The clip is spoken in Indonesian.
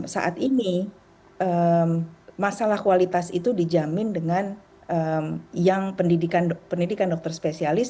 saat ini masalah kualitas itu dijamin dengan yang pendidikan dokter spesialis